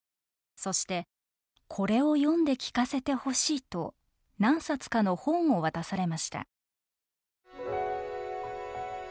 そして「これを読んで聞かせてほしい」と何冊かの本を渡されました。